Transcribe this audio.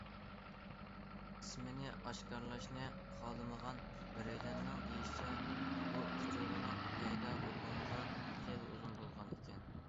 ئىسمىنى ئاشكارىلاشنى خالىمىغان بىرەيلەننىڭ دېيىشىچە، بۇ ئۇچۇرنىڭ پەيدا بولغىنىغا خېلى ئۇزۇن بولغان ئىكەن.